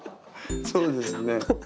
そうですね。